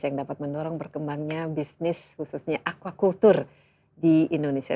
yang dapat mendorong berkembangnya bisnis khususnya aquaculture di indonesia